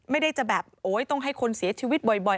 ไม่ได้จะแบบโอ๊ยต้องให้คนเสียชีวิตบ่อย